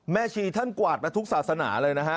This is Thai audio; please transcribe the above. ชีท่านกวาดมาทุกศาสนาเลยนะฮะ